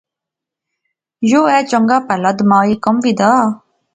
یہ ایہہ چنگا پہلا دماغی کم وی دا